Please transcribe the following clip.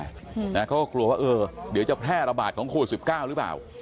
เขาก็กลวดว่าเดี๋ยวจะแพร่ระบาดของโควิด๑๙หรือเปล่า